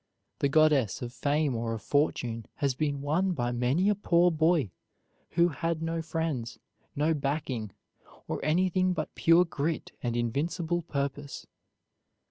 The goddess of fame or of fortune has been won by many a poor boy who had no friends, no backing, or anything but pure grit and invincible purpose.